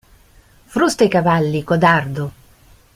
Frusta i cavalli, codardo.